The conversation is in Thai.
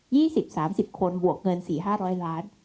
สิบสามสิบคนบวกเงินสี่ห้าร้อยล้าน